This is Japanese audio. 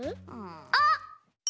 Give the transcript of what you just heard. あっ！